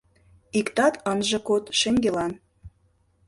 Иктат ынже код шеҥгелан